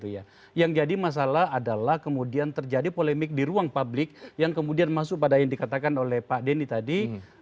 yang jadi masalah adalah kemudian terjadi polemik di ruang publik yang kemudian masuk pada yang dikatakan oleh pak denny tadi